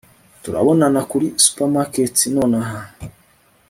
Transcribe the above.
turabonana kuri supermarket nonaha